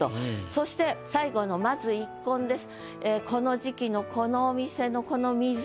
そして最後の「まず一献」です。